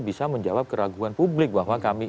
bisa menjawab keraguan publik bahwa kami